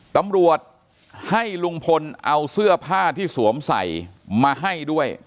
ตำรวจให้ลุงพลเอาเสื้อผ้าที่สวมใส่มาให้ด้วย